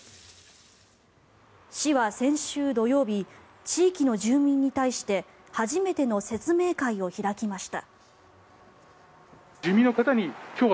市は先週土曜日地域の住民に対して初めての説明会を開きました。